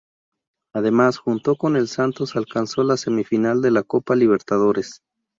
Además, junto con el Santos alcanzó la semifinal de la Copa Libertadores.